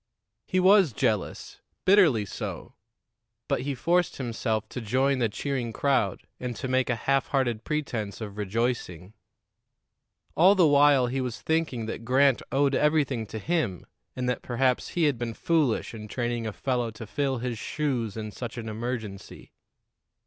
He was jealous bitterly so; but he forced himself to join the cheering crowd and to make a half hearted pretense of rejoicing. All the while he was thinking that Grant owed everything to him, and that perhaps he had been foolish in training a fellow to fill his shoes in such an emergency.